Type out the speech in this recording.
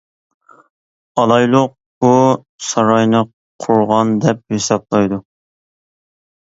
ئالايلۇق ئۇ ساراينى قورغان دەپ ھېسابلايدۇ.